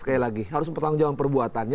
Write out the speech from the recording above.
harus mempertanggungjawab perbuatannya